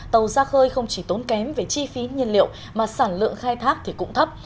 tàu ra khơi không chỉ tốn kém về chi phí nhiên liệu mà sản lượng khai thác thì cũng thấp